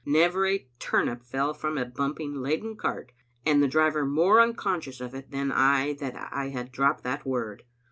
Never a tur nip fell from a bumping, laden cart, and the driver more unconscious of it, than I that I had dropped that word.